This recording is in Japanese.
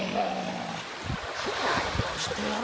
何をしておる。